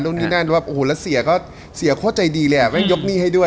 แล้วเสียโคตรใจดีแหละยกหนี้ให้ด้วย